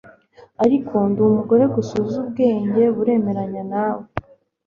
ati ariko ndi umugore gusa uzi. ubwenge buremeranya nawe